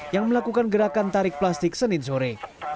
yang melakukan gerakan tarik plastik senin sore